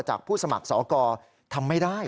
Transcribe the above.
ผู้สมัครสอกรทำไม่ได้